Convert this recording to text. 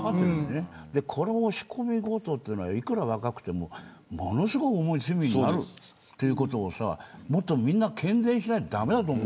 この押し込み強盗というのはいくら若くてもものすごい重い罪になることをもっと、みんな喧伝しないと駄目だと思う。